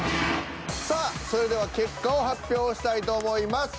さあそれでは結果を発表したいと思います。